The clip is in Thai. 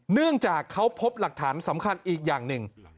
เนื่องจากเขาพบหลักฐานสำคัญอีกอย่างหนึ่ง